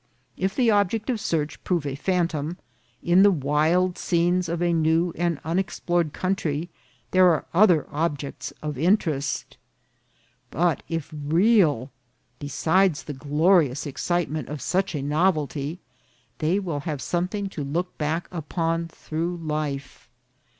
If the object of search prove a phantom, in the wild scenes of a new and un explored country there are other objects of interest ; but if real, besides the glorious excitement of such a novelty, they will have something .to look back upon through life.